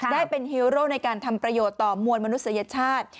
ได้เป็นฮีโร่ในการทำประโยชน์ต่อมวลมนุษยชาติ